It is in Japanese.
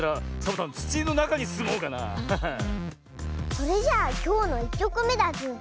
それじゃあきょうの１きょくめだズー。